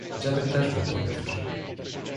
Dziadek też był porywczy.